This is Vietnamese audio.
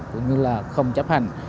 cũng như là không chấp hành